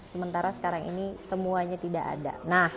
sementara sekarang ini semuanya tidak ada